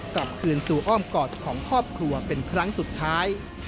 กลับคืนสู่อ้อมกอดของครอบครัวเป็นครั้งสุดท้าย